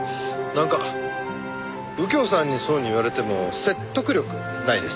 なんか右京さんにそういうふうに言われても説得力ないです。